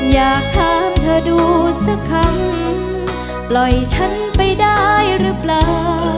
อยากถามเธอดูสักคำปล่อยฉันไปได้หรือเปล่า